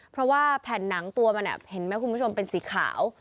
เพราะว่าแผ่นหนังตัวมันเห็นไหมคุณผู้ชมเป็นสีขาว